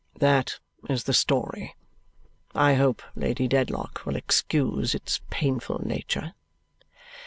That is the story. I hope Lady Dedlock will excuse its painful nature."